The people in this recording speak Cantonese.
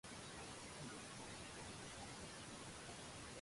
佢係名副其實嘅神射手